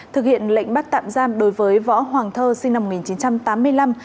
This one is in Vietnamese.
thực hiện lệnh bắt tạm giam đối với võ hoàng thơ sinh năm một nghìn chín trăm tám mươi năm